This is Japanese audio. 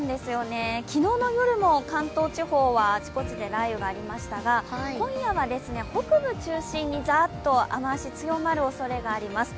昨日の夜も関東地方はあちこちで雷雨がありましたが、今夜は北部中心にざーっと雨足が強まるおそれがあります。